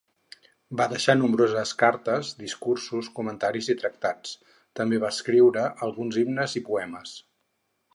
Va deixar nombroses cartes, discursos, comentaris i tractats; també va escriure alguns himnes i poemes.